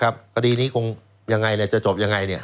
พอดีนี้คงจะจบยังไง